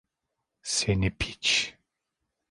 Seni piç!